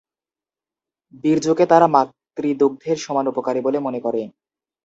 বীর্যকে তারা মাতৃদুগ্ধের সমান উপকারী বলে মনে করে।